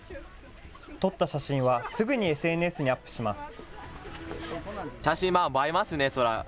撮った写真はすぐにＳＮＳにアップします。